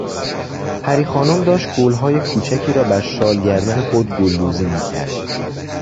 پری خانم داشت گلهای کوچکی را بر شال گردن خود گلدوزی میکرد.